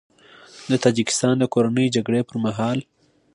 د تاجیکستان د کورنۍ جګړې پر مهال